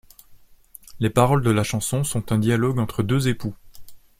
Les paroles de la chanson sont un dialogue entre deux époux.